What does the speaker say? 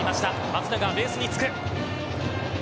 松永、ベースにつく。